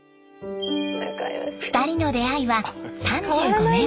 ２人の出会いは３５年前。